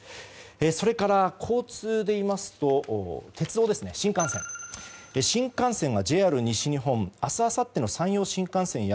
それから、交通でいいますと新幹線がＪＲ西日本明日、あさっての山陽新幹線や